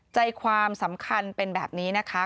ใจความสำคัญเป็นแบบนี้นะคะ